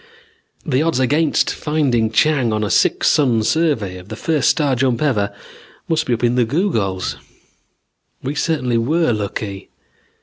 The odds against finding Chang on a six sun survey on the first star jump ever must be up in the googols. We certainly were lucky.